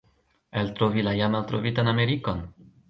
eltrovi la jam eltrovitan Amerikon!